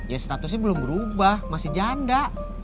ya statusnya belum berubah masih janda